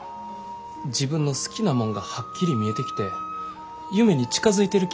自分の好きなもんがはっきり見えてきて夢に近づいてる気ぃするんや。